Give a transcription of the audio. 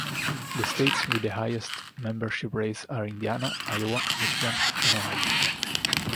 The states with the highest membership rates are Indiana, Iowa, Michigan, and Ohio.